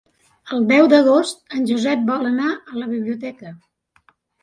El deu d'agost en Josep vol anar a la biblioteca.